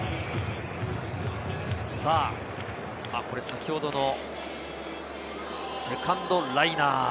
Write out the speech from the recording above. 先ほどのセカンドライナー。